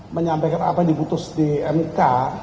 menyampaikan apa yang diputus di mk